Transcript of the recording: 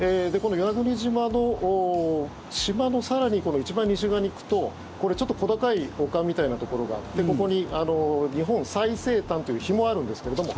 この与那国島の島の更に一番西側に行くとこれ、ちょっと小高い丘みたいなところがあってここに日本最西端という碑もあるんですけれども